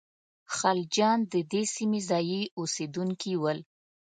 خلجیان د دې سیمې ځايي اوسېدونکي ول.